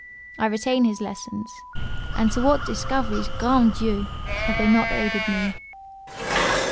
I retain his lessons; and to what discoveries, grand Dieu! have they not aided me!"